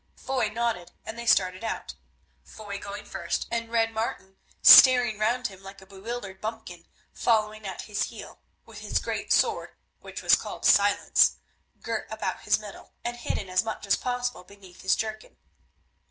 Foy nodded and they started out; Foy going first, and Red Martin, staring round him like a bewildered bumpkin, following at his heel, with his great sword, which was called Silence, girt about his middle, and hidden as much as possible beneath his jerkin.